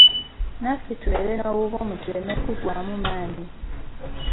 Naffe tubeere nobuvumu tuleme kuggwaamu maanyi.